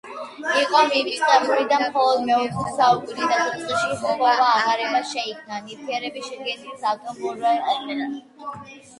იყო მივიწყებული და მხოლოდ მეოცე საუკუნის დასაწყისში ჰპოვა აღარება - შეიქმნა ნივთიერებების შედგენილობის ატომურ-მოლეკულური